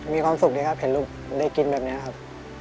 มีความสุขดีครับเห็นลูกได้กินแบบนี้ครับ